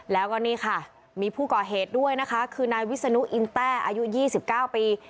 แล้วก็นี่ค่ะมีผู้ก่อเหตุด้วยนะคะคือนายวิศนุอินแต้อายุ๒๙ปี